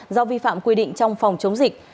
do vi phạm quy định trong phòng chống dịch